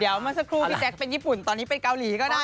เดี๋ยวเมื่อสักครู่พี่แจ๊คเป็นญี่ปุ่นตอนนี้เป็นเกาหลีก็ได้